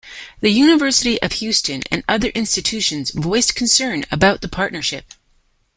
The University of Houston and other institutions voiced concern about the partnership.